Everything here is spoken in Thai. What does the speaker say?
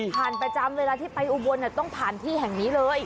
ประจำเวลาที่ไปอุบลต้องผ่านที่แห่งนี้เลย